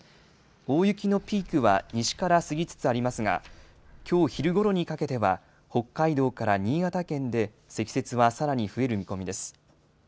大雪のピークは西から過ぎつつありますが、きょう昼ごろにかけては、北海道から新潟県で積雪はさらに増える見込みです。